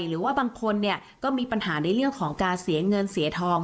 หรือว่าบางคนเนี่ยก็มีปัญหาในเรื่องของการเสียเงินเสียทอง